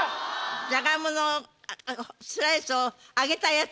ジャガイモのスライスを揚げたやつ。